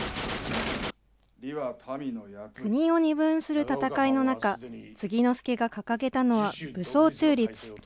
国を二分する戦いの中、継之助が掲げたのは、武装中立。